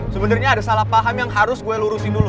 sebenarnya ada salah paham yang harus gue lurusin dulu